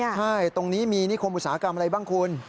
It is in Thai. ใช่ตรงนี้มีนิคมอุตสาหกรรมอะไรบ้างคุณ